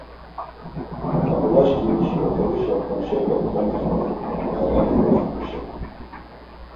Abulaşǩimişi oxorişa ǩomşepe komext̆ey bayrami oxenu şeni.